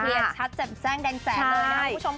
เพลียดชัดแจ้มแจ้งแดงแสนเลยนะคุณผู้ชม